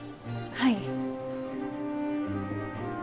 はい。